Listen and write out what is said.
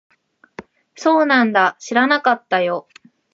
そうなんだ。知らなかったよ。